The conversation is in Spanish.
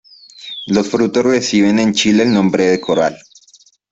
Los frutos reciben en Chile el nombre de coral.